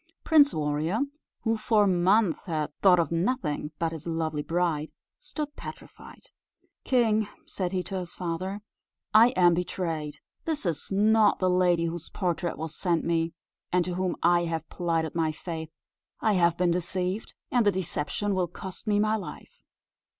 Prince Warrior, who for months had thought of nothing but his lovely bride, stood petrified. "King," said he to his father, "I am betrayed! this is not the lady whose portrait was sent me, and to whom I have plighted my faith; I have been deceived, and the deception will cost me my life."